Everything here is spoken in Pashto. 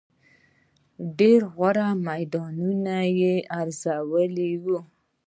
• ډېری غوره مدیران یې روزلي وو.